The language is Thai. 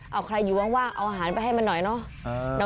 เอาใครอยู่ว่างเอาอาหารไปให้มันหน่อยเนาะ